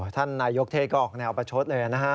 ท่านนายกเทศก็ออกแนวประชดเลยนะฮะ